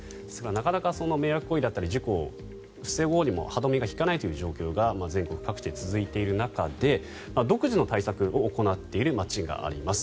なかなか迷惑行為だったり事故を防ごうにも歯止めが利かないという状況が全国各地で続いている中で独自の対策を行っている町があります。